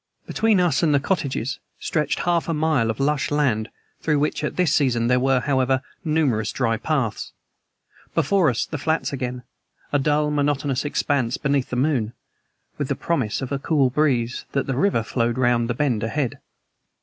Between us and the cottages stretched half a mile of lush land through which at this season there were, however, numerous dry paths. Before us the flats again, a dull, monotonous expanse beneath the moon, with the promise of the cool breeze that the river flowed round the bend ahead.